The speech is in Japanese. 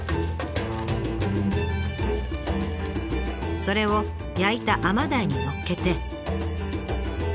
それを焼いた甘ダイにのっけて。